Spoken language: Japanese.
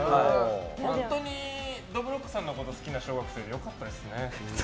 本当にどぶろっくさんのこと好きな小学生良かったですね。